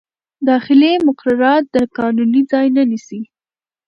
داخلي مقررات د قانون ځای نه نیسي.